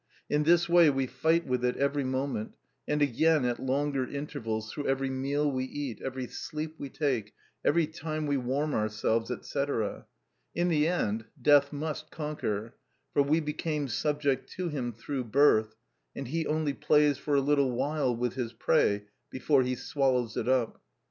In this way we fight with it every moment, and again, at longer intervals, through every meal we eat, every sleep we take, every time we warm ourselves, &c. In the end, death must conquer, for we became subject to him through birth, and he only plays for a little while with his prey before he swallows it up.